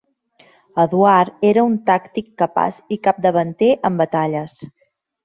Eduard era un tàctic capaç i capdavanter en batalles.